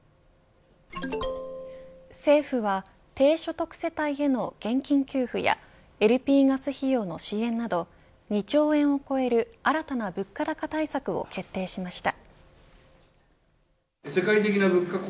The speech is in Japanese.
政府は低所得世帯への現金給付やＬＰガス費用の支援など２兆円を超える新たな物価高対策を決定しました。